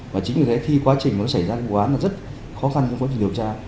và chính vì thế khi quá trình nó xảy ra quá trình của án là rất khó khăn trong quá trình điều tra